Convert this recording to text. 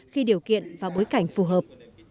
khi điều kiện và bối cảnh phù hợp